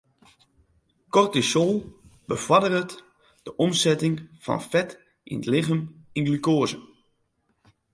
Kortisol befoarderet de omsetting fan fet yn it lichem yn glukoaze.